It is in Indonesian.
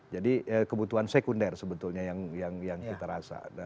jadi kebutuhan sekunder sebetulnya yang kita rasa